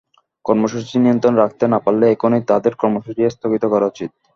কর্মসূচি নিয়ন্ত্রণে রাখতে না পারলে এখনই তঁাদের কর্মসূচি স্থগিত করা উচিত।